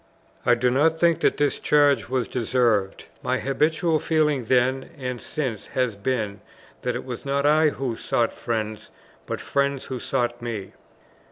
I do not think that this charge was deserved. My habitual feeling then and since has been, that it was not I who sought friends, but friends who sought me.